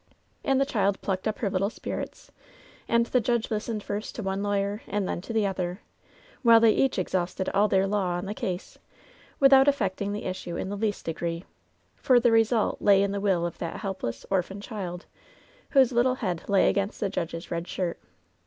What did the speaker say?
"And the child plucked up her little spirits, and the judge listened first to one lawyer and then to the other, while they each exhausted all their law on the case, with out affecting the issue in the least degree — for the result lay in the will of that helpless, orphan child, whose little head lay against the judge's red shirt.